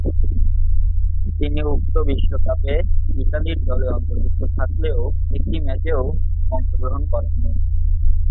তিনি উক্ত বিশ্বকাপের ইতালি দলে অন্তর্ভুক্ত থাকলেও একটি ম্যাচেও অংশগ্রহণ করেননি।